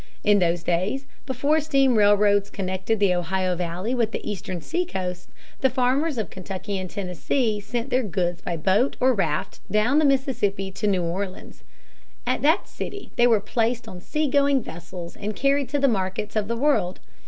In those days, before steam railroads connected the Ohio valley with the Eastern seacoast, the farmers of Kentucky and Tennessee sent their goods by boat or raft down the Mississippi to New Orleans. At that city they were placed on sea going vessels and carried to the markets of the world.